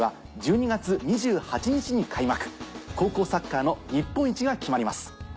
高校サッカーの日本一が決まります。